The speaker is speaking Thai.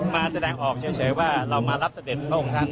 มาแสดงออกเฉยว่าเรามารับเสด็จพระองค์ท่าน